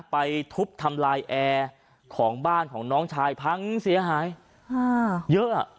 ไปทุบทำลายแอร์ของบ้านของน้องชายพังเสียหายเยอะอ่ะ